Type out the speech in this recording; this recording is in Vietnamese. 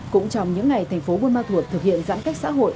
cũng trong những ngày thành phố buôn ma thuột thực hiện giãn cách xã hội